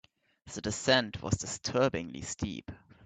The descent was disturbingly steep.